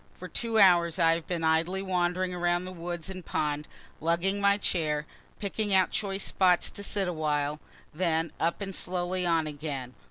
For two hours I have been idly wandering around the woods and pond, lugging my chair, picking out choice spots to sit awhile then up and slowly on again.